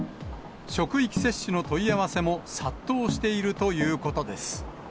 職域接種の問い合わせも殺到しているということです。